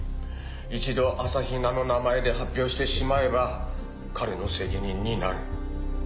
一度朝比奈の名前で発表してしまえば彼の責任になる。